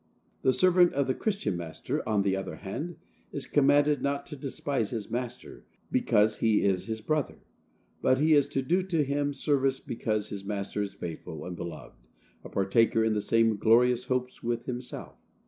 The servant of the Christian master, on the other hand, is commanded not to despise his master because he is his brother; but he is to do him service because his master is faithful and beloved, a partaker of the same glorious hopes with himself.